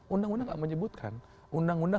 undang undang tidak menyebutkan undang undang